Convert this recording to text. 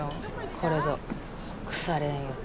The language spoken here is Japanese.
これぞ腐れ縁よ。